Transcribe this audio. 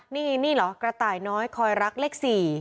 นี่นี่เหรอกระต่ายน้อยคอยรักเลข๔